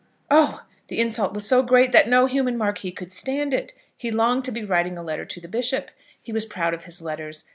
oh! The insult was so great that no human marquis could stand it. He longed to be writing a letter to the bishop. He was proud of his letters.